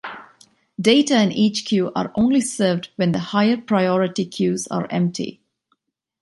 Data in each queue are only served when the higher priority queues are empty.